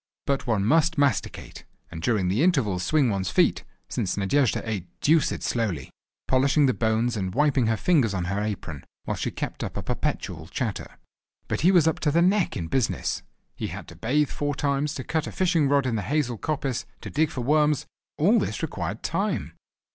—but one must masticate, and during the intervals swing one's feet, since Nadejda ate deuced slowly, polishing the bones and wiping her fingers on her apron, while she kept up a perpetual chatter. But he was up to the neck in business: he had to bathe four times, to cut a fishing rod in the hazel coppice, to dig for worms—all this required time.